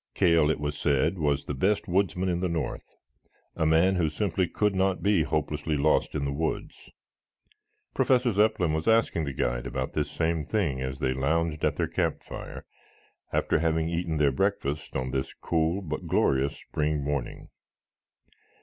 Cale, it was said, was the best woodsman in the north, a man who simply could not be hopelessly lost in the woods. Professor Zepplin was asking the guide about this same thing as they lounged at their campfire after having eaten their breakfast on this cool but glorious spring morning.